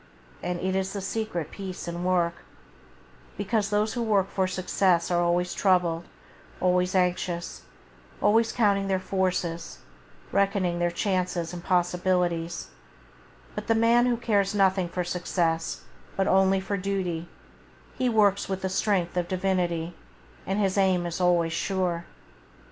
And it is the secret of peace in work, because those who work for [Page 14] success are always troubled, always anxious, always counting their forces, reckoning their chances and possibilities; but the man who cares nothing for success but only for duty, he works with the strength of divinity, and his aim is always sure.